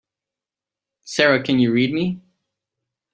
Sara can you read me?